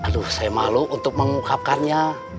aduh saya malu untuk mengungkapkannya